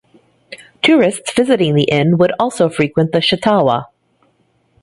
Tourists visiting the Inn would also frequent the Chautauqua.